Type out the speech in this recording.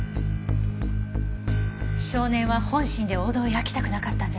少年は本心ではお堂を焼きたくなかったんじゃない？